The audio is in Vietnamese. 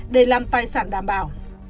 để làm tài sản đảm bảo